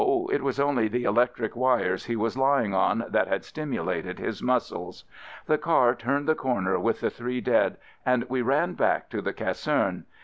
it was only the electric wires he was lying on that had stimulated his muscles. The car turned the corner with the three dead and we ran back to the ca serne.